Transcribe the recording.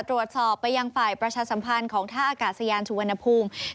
ตรวจสอบไปยังฝ่ายประชาสัมพันธ์ของท่าอากาศยานสุวรรณภูมิ